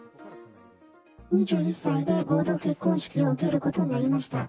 ２１歳で合同結婚式を受けることになりました。